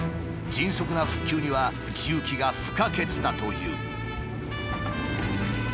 迅速な復旧には重機が不可欠だという。